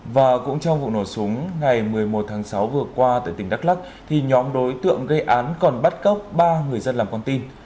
và cũng trong vụ nổ súng ngày một mươi một tháng sáu vừa qua tại tỉnh đắk lắc thì nhóm đối tượng gây án còn bắt cóc ba người dân làm con tin